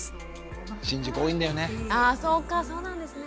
新宿多いんだよね。